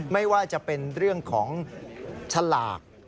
ไม่ว่าจะเป็นเรื่องของฉลาก